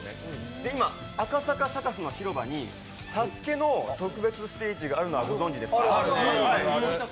で、今、赤坂サカスの広場に「ＳＡＳＵＫＥ」の特別ステージがあるのはご存じですか？